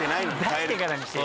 出してからにしてよ。